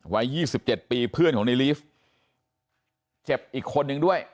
วัย๒๗ปีเพื่อนของในลีฟเจ็บอีกคนนึงด้วย